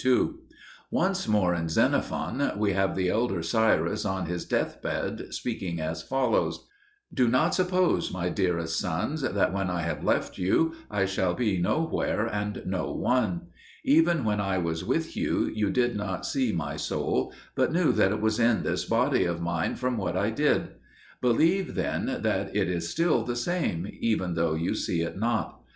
Once more in Xenophon we have the elder Cyrus on his deathbed speaking as follows: "Do not suppose, my dearest sons, that when I have left you I shall be nowhere and no one. Even when I was with you, you did not see my soul, but knew that it was in this body of mine from what I did. Believe then that it is still the same, even though you see it not.